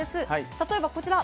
例えばこちら。